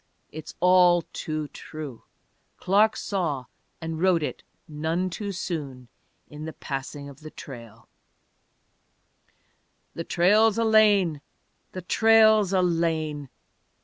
It's all too true! Clark saw and wrote it none too soon in The Passing of the Trail." The trail's a lane, the trail's a lane.